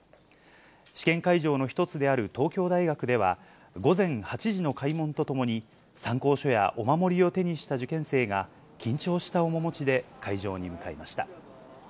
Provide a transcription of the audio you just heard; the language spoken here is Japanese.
試験会場の１つである東京大学では、午前８時の開門とともに、参考書やお守りを手にした受験生が、緊張した面持ちで会場に向かいました。